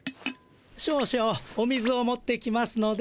少々お水を持ってきますので。